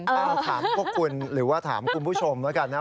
เอาถามพวกคุณหรือว่าถามคุณผู้ชมแล้วกันนะ